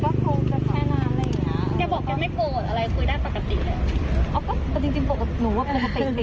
ก็ทักซ้ายสวัสดีช้าอะไรอย่างนี้